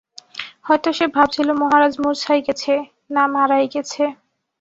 হয়তো সে ভাবছিল, মহারাজ মূর্ছাই গেছে, না মারাই গেছে।